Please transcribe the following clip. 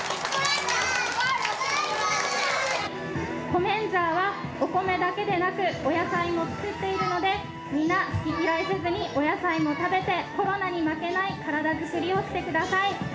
コメンジャーはお米だけでなくお野菜も作っているのでみんな好き嫌いせずにお野菜も食べてコロナに負けない体作りをしてください。